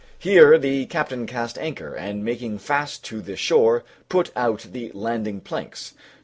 Here the captain cast anchor, and making fast to the shore, put out the landing planks.